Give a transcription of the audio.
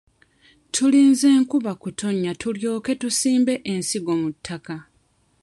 Tulinze nkuba kutonnya tulyoke tusimbe ensingo mu ttaka.